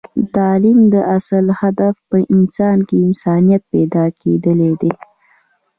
د تعلیم اصل هدف په انسان کې انسانیت پیدا کیدل دی